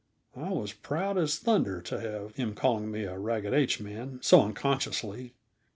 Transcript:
I was proud as thunder to have him call me a "Ragged H man" so unconsciously.